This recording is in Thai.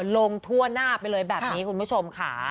ลงทั่วหน้าไปเลยแบบนี้คุณผู้ชมค่ะ